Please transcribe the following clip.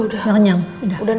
udah nambah empat tadi kan